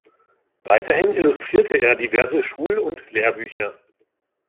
Weiterhin illustrierte er diverse Schul- und Lehrbücher.